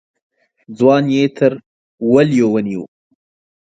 ځوان يې تر وليو ونيو.